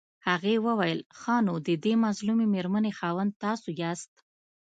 هغې وويل ښه نو ددې مظلومې مېرمنې خاوند تاسو ياست.